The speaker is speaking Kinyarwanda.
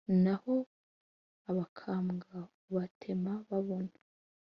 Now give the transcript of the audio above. N'aho abakambwa ubatema babona